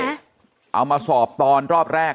เอามาสอบตอนรอบแรก